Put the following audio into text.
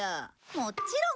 もちろん！